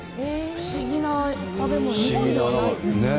不思議な食べ物、日本にはないです。